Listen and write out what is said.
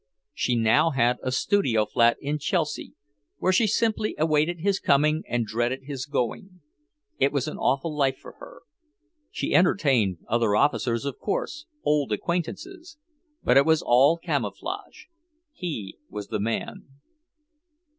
She now had a studio flat in Chelsea, where she simply waited his coming and dreaded his going. It was an awful life for her. She entertained other officers, of course, old acquaintances; but it was all camouflage. He was the man.